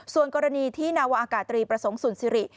ส่วนกรณีที่นาวาอากาศตรีประสงค์สุนสิริ